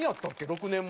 ６年前。